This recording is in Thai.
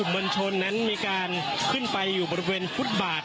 มวลชนนั้นมีการขึ้นไปอยู่บริเวณฟุตบาท